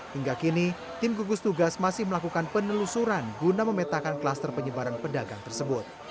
hingga kini tim gugus tugas masih melakukan penelusuran guna memetakan kluster penyebaran pedagang tersebut